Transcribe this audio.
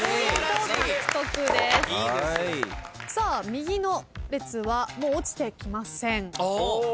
右の列はもう落ちてきません。